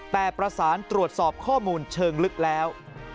แต่ประสานตรวจสอบข้อมูลเชิงลึกแล้ว